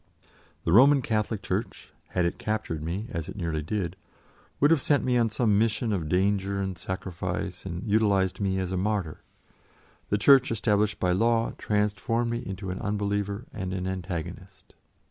The Roman Catholic Church, had it captured me, as it nearly did, would have sent me on some mission of danger and sacrifice and utilised me as a martyr; the Church established by law transformed me into an unbeliever and an antagonist.